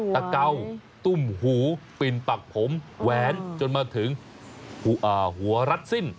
เกาตุ้มหูปิ่นปักผมแหวนจนมาถึงหัวรัดสิ้น